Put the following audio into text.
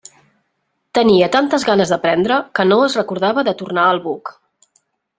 Tenia tantes ganes d'aprendre que no es recordava de tornar al buc.